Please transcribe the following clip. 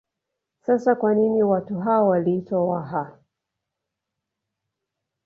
Sasa kwa nini watu hao waliitwa Waha